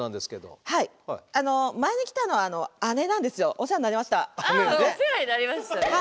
「お世話になりました」。